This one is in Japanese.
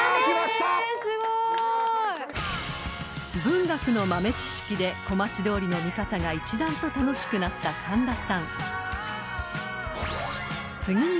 ［文学の豆知識で小町通りの見方が一段と楽しくなった神田さん］